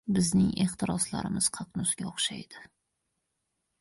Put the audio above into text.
Bizning ehtiroslarimiz qaqnusga o‘xshaydi.